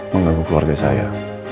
mengganggu keluarga saya